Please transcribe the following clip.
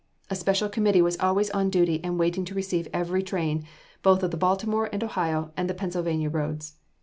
A special committee was always on duty and waiting to receive every train, both of the Baltimore & Ohio and the Pennsylvania Roads.